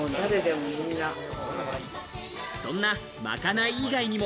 そんな、まかない以外にも、